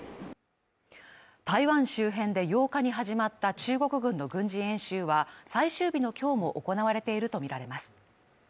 台湾周辺で８日に始まった中国軍の軍事演習は最終日の今日も行われているとみられます。